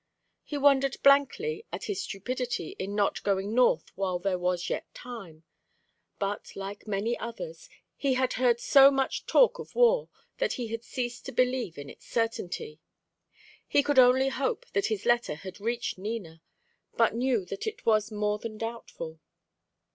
He wondered blankly at his stupidity in not going North while there was yet time, but like many others, he had heard so much talk of war that he had ceased to believe in its certainty. He could only hope that his letter had reached Nina, but knew that it was more than doubtful.